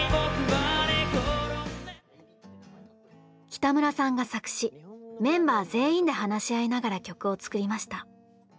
北村さんが作詞メンバー全員で話し合いながら曲を作りました。